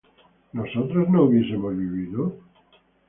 ¿nosotros no hubiésemos vivido?